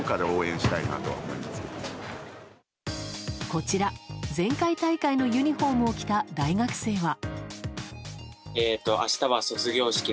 こちら、前回大会のユニホームを着た大学生は。